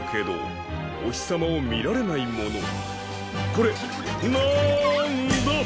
これなんだ？